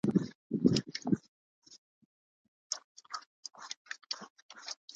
وایي: «دا ډول تبلیغات د ببرک کارمل له وخته پیل سوی